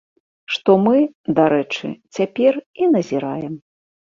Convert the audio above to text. Што мы, дарэчы, цяпер і назіраем.